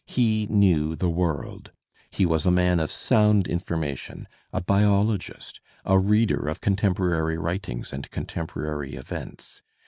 He knew the world. He was a man of sound information, a biologist, a reader of contemporaiy writings and contem porary events.